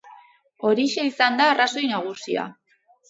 Horixe izan da arrazoi nagusia.